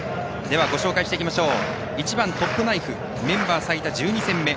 ご紹介していきましょう。